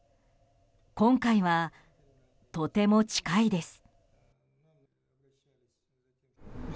今回はとても近いです。